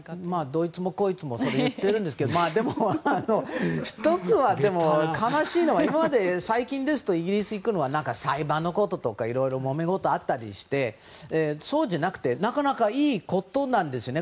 ドイツもこいつもそれを言ってるんですけどでも、１つ悲しいのは最近ですとイギリスに行くのは裁判のこととかいろいろもめ事があったりしてそうじゃなくてなかなかいいことなんですよね。